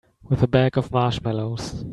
With a bag of marshmallows.